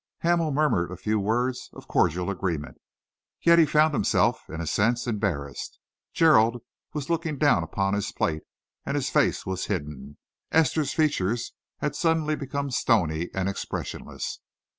Hamel murmured a few words of cordial agreement. Yet he found himself, in a sense, embarrassed. Gerald was looking down upon his plate and his face was hidden. Esther's features had suddenly become stony and expressionless.